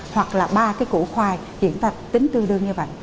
hoặc là ba cái củ khoai thì chúng ta tính tương đương như vậy